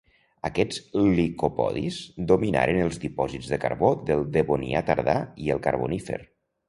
Aquests licopodis dominaren els dipòsits de carbó del Devonià tardà i el Carbonífer.